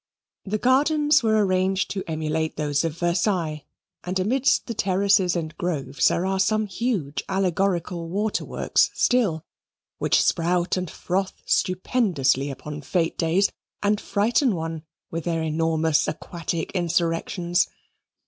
The gardens were arranged to emulate those of Versailles, and amidst the terraces and groves there are some huge allegorical waterworks still, which spout and froth stupendously upon fete days, and frighten one with their enormous aquatic insurrections.